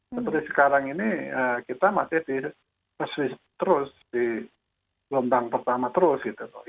seperti sekarang ini kita masih terus di gelombang pertama terus gitu